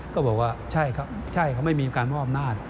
ก็บอกว่าไม่มีการมออมนาศ